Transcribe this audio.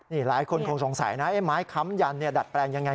นี่หลายคนคงสงสัยนะไอ้ไม้ค้ำยันดัดแปลงยังไง